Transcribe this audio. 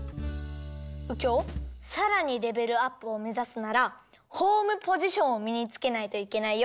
うきょうさらにレベルアップをめざすならホームポジションをみにつけないといけないよ。